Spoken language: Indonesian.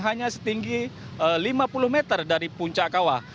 hanya setinggi lima puluh meter dari puncak kawah